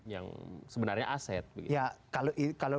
yang sebenarnya aset ya kalau ini kalau